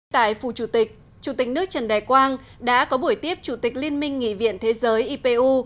tại phủ chủ tịch chủ tịch nước trần đại quang đã có buổi tiếp chủ tịch liên minh nghị viện thế giới ipu